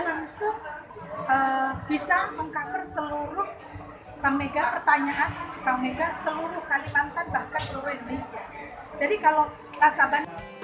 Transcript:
bank mega pertanyaan bank mega seluruh kalimantan bahkan seluruh indonesia